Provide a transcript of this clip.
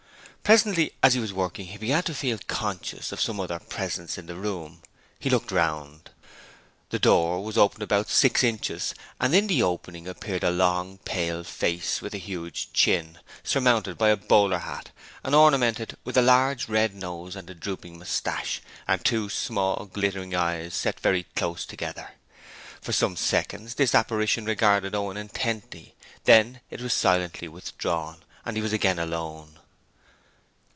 Presently, as he was working he began to feel conscious of some other presence in the room; he looked round. The door was open about six inches and in the opening appeared a long, pale face with a huge chin, surmounted by a bowler hat and ornamented with a large red nose, a drooping moustache and two small, glittering eyes set very close together. For some seconds this apparition regarded Owen intently, then it was silently withdrawn, and he was again alone.